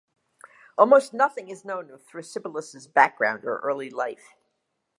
Almost nothing is known of Thrasybulus's background or early life.